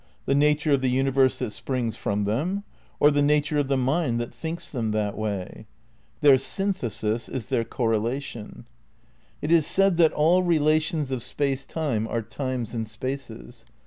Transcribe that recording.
The nature of the universe that springs from them 1 Or the nature of the mind that thinks them that way? Their synthesis is their correlation. It is said that all relations of Space Time are times and spaces.